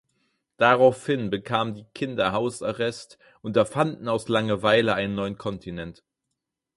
Daraufhin bekamen die Kinder Hausarrest und erfanden aus Langeweile einen neuen Kontinent.